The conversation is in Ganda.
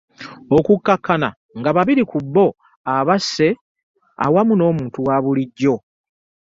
Okukkakkana nga babiri ku bo abasse awamu n'omuntu wa bulijjo.